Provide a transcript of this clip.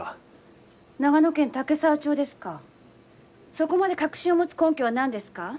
そこまで確信を持つ根拠は何ですか？